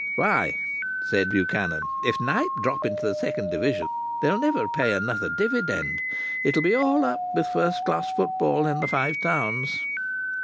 "Why," said Buchanan, "if Knype drop into the Second Division they'll never pay another dividend! It'll be all up with first class football in the Five Towns!"